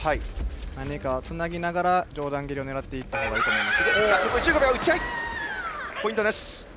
何か、つなぎながら上段蹴りを狙っていった方がいいと思います。